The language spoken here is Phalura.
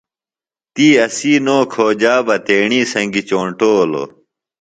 تی اسی نوکھوجا بہ تیݨی سنگیۡ چونٹولوۡ